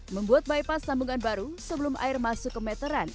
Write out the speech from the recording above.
membuat bypass sambungan baru sebelum air masuk ke meteran